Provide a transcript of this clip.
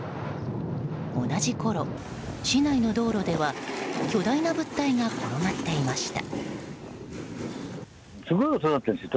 同じころ、市内の道路では巨大な物体が転がっていました。